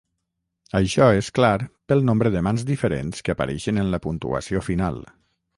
Això és clar pel nombre de mans diferents que apareixen en la puntuació final.